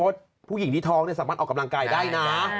ผู้หญิงที่ท้องสามารถออกกำลังกายได้นะ